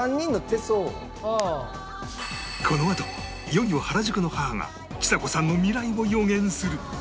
このあといよいよ原宿の母がちさ子さんの未来を予言する！